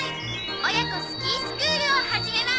親子スキースクールを始めます。